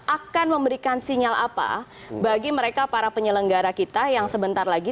akan memberikan sinyal apa bagi mereka para penyelenggara kita yang sebentar lagi